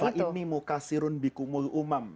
fa'idni mukasirun bikumu umam